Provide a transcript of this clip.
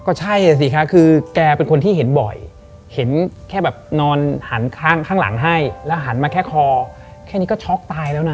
ก็ใช่สิคะคือแกเป็นคนที่เห็นบ่อยเห็นแค่แบบนอนหันข้างหลังให้แล้วหันมาแค่คอแค่นี้ก็ช็อกตายแล้วนะ